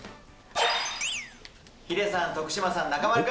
ヒデさん、徳島さん、中丸君。